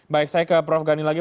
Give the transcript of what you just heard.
baik saya ke prof gani lagi